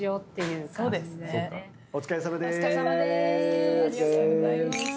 お疲れさまでーす。